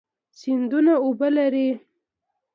سیندونه اوبه لري.